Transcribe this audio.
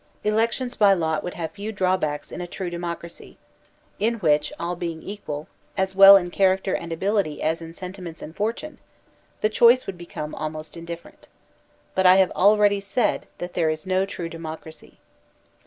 Elections by lot would have few drawbacks in a true democracy, in which, all being equal, as well in charac ter and ability as in sentiments and fortune, the choice would become almost indifferent. But I have already said that there is no true democracy.